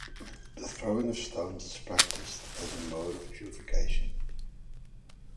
The throwing of stones is practiced as a mode of purification.